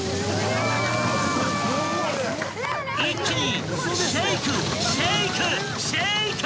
［一気に］